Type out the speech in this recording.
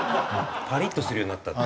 パリッとするようになったって。